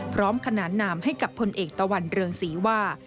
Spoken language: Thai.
ขนานนามให้กับพลเอกตะวันเรืองศรีว่า